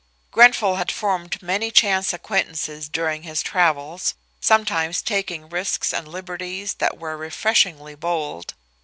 Grenfall had formed many chance acquaintances during his travels, sometimes taking risks and liberties that were refreshingly bold.